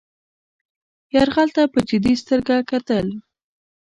یرغل ته په جدي سترګه کتل.